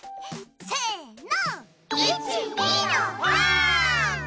せの！